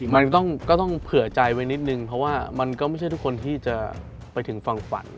มันก็ต้องเผื่อใจไว้นิดนึงเพราะว่ามันก็ไม่ใช่ทุกคนที่จะไปถึงฝั่งฝัน